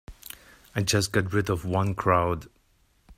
I just got rid of one crowd.